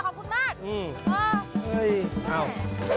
ขอบคุณมาก